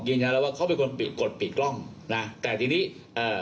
ยืนยันแล้วว่าเขาเป็นคนปิดกดปิดกล้องนะแต่ทีนี้เอ่อ